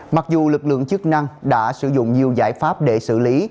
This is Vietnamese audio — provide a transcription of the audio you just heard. mặc dù lực lượng chức năng đã sử dụng nhiều giải pháp để xử lý